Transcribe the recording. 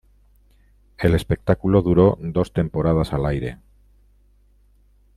El espectáculo duró dos temporadas al aire.